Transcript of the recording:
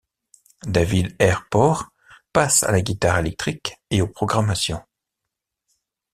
David Er Porh passe à la guitare électrique et aux programmations.